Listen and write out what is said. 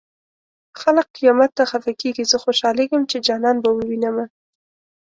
خلک قيامت ته خفه کيږي زه خوشالېږم چې جانان به ووينمه